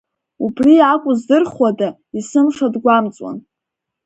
Убри акәу здырхуада, есымша дгәамҵуан.